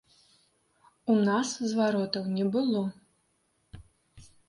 У нас зваротаў не было.